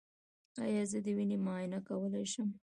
ایا زه د وینې معاینه کولی شم؟